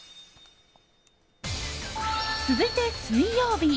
続いて、水曜日。